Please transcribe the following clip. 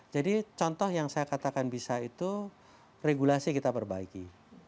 jadi contoh yang saya katakan bisa itu regulasi kita perbaiki